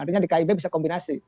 artinya di kib bisa kombinasi